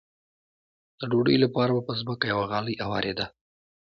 د ډوډۍ لپاره به په ځمکه یوه غالۍ اوارېده.